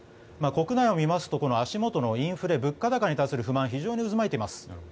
国内を見ますと足元のインフレ物価高に対する不満が非常に渦巻いています。